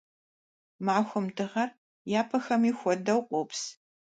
Махуэм дыгъэр, япэхэми хуэдэу, къопс.